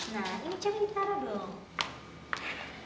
nah ini cermin tara dong